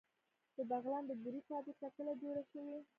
د بغلان د بورې فابریکه کله جوړه شوه؟